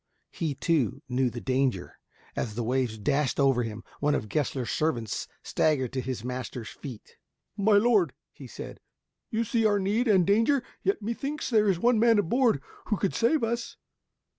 He, too, knew the danger. As the waves dashed over him, one of Gessler's servants staggered to his master's feet. "My lord," he said, "you see our need and danger, yet methinks there is one man on board who could save us."